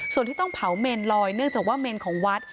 ส่วนที่ต้องเผาเมนลอยเนื่องจากว่าเมนของวัด